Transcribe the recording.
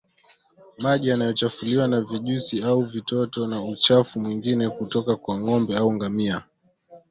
maji yaliyochafuliwa na vijusi au vitoto na uchafu mwingine kutoka kwa ng'ombe au ngamia